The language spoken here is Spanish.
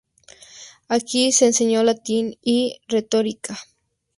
Aquí se enseñó latín y retórica.